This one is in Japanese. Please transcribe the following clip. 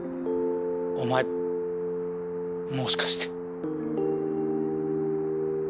お前もしかして。